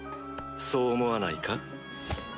そう思わないか？